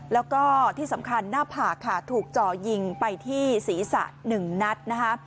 แล้วก็ที่สำคัญหน้าผากค่ะถูกจ่อยิงไปที่ศีรษะ๑นัดนะคะ